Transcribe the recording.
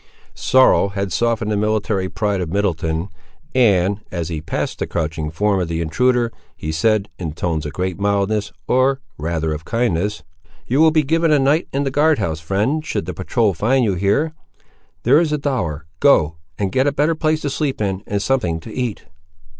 Sorrow had softened the military pride of Middleton, and, as he passed the crouching form of the intruder, he said, in tones of great mildness, or rather of kindness— "You will be given a night in the guard house, friend, should the patrol find you here;—there is a dollar,—go, and get a better place to sleep in, and something to eat!"